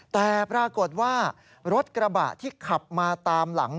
แต่ปรากฏว่ารถกระบะที่ขับมาตามหลัง